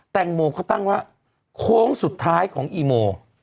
แตงโมเขาตั้งว่าโค้งสุดท้ายของอีโม